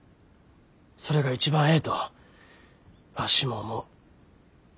それが一番ええとわしも思う。